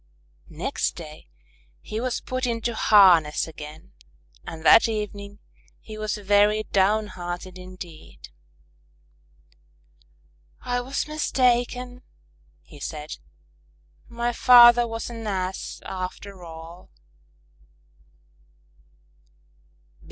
Next day he was put into harness again and that evening he was very downhearted indeed. "I was mistaken," he said. "My father was an Ass after all."